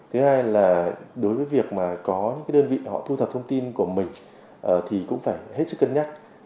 thứ hai là đối với việc mà có những đơn vị họ thu thập thông tin của mình thì cũng phải hết sức cân nhắc